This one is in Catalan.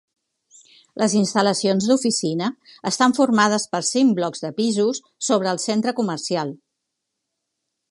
Les instal·lacions d'oficina estan formades per cinc blocs de pisos sobre el centre comercial.